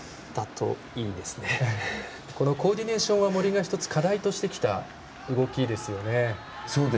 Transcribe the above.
このコーディネーションは森が課題としてきた動きですよね。